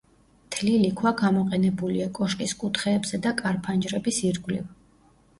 თლილი ქვა გამოყენებულია კოშკის კუთხეებზე და კარ-ფანჯრების ირგვლივ.